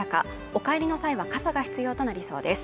お帰りの際は傘が必要となりそうです